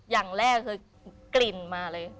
อย่างแรกคือกลิ่นมาเลย